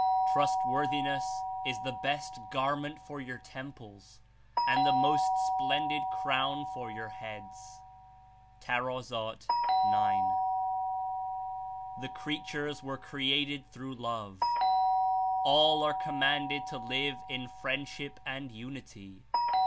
Trustworthiness is the best garment for your tem ples and the most splendid crown for your heads." (Tar. g.) "The creatures were created through love; all are commanded to live In friendship and unity.